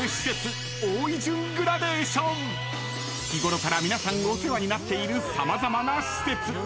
［日ごろから皆さんお世話になっている様々な施設］